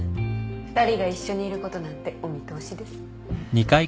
２人が一緒にいることなんてお見通しです。